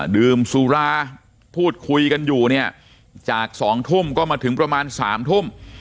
ดื่มสุราพูดคุยกันอยู่เนี่ยจาก๒ทุ่มก็มาถึงประมาณ๓ทุ่ม